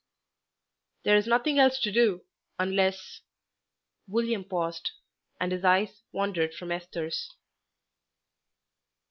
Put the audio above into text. "There is nothing else to do, unless " William paused, and his eyes wandered from Esther's.